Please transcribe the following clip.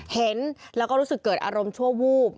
เห็นแล้วก็รู้สึกเกิดอารมณ์ชั่ววูบ